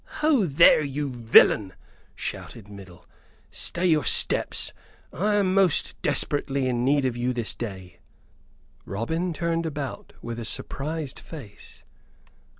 "Ho there! you villain!" shouted Middle. "Stay your steps. I am most desperately in need of you this day!" Robin turned about with a surprised face.